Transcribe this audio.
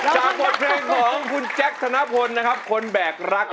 จากบทเพลงของคุณแจ็คธนพลนะครับคนแบกรัก